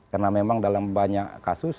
karena memang dalam banyak kasus